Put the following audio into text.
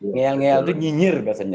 ngeyel ngeyel itu nyinyir biasanya